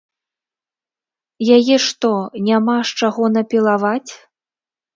Яе што, няма з чаго напілаваць?